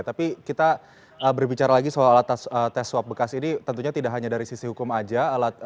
tapi kita berbicara lagi soal alat tes swab bekas ini tentunya tidak hanya dari sisi hukum saja